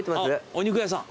お肉屋さん。